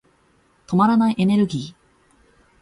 止まらないエネルギー。